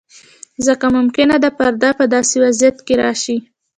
ځکه ممکنه ده فرد په داسې وضعیت کې راشي.